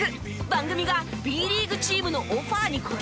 番組がＢリーグチームのオファーに応えます。